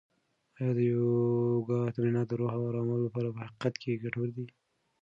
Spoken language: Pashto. آیا د یوګا تمرینات د روح د ارامولو لپاره په حقیقت کې ګټور دي؟